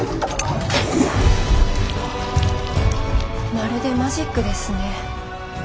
まるでマジックですね。